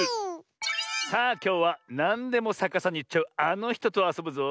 さあきょうはなんでもさかさにいっちゃうあのひととあそぶぞ。